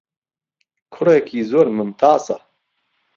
کوڕێکیزورممتاسه